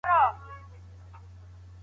خصوصي سکتور د ټولنې په سوکالۍ کي رول لري.